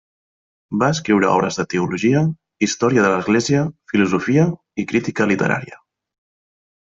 Va escriure obres de teologia, Història de l'església, filosofia i crítica literària.